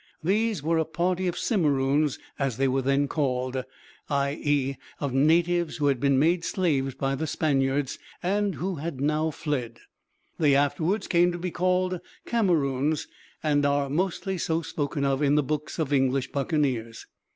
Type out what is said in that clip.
These were a party of Simeroons, as they were then called; i.e., of natives who had been made slaves by the Spaniards, and who had now fled. They afterwards came to be called Cameroons, and are mostly so spoken of in the books of English buccaneers.